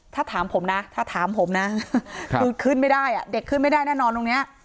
ถ้าถามผมนะถ้าถามผมนะคือขึ้นไม่ได้อ่ะเด็กขึ้นไม่ได้แน่นอนตรงนี้